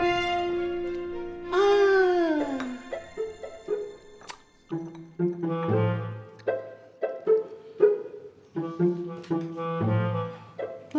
sopi mau ke rumah a ajat